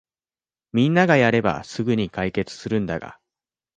みんながやればすぐに解決するんだが